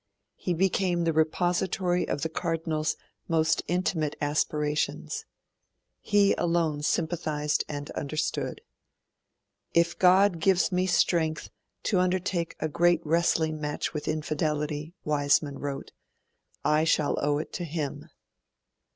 He became the repository of the Cardinal's most intimate aspirations. He alone sympathised and understood. 'If God gives me strength to undertake a great wrestling match with infidelity,' Wiseman wrote, 'I shall owe it to him.'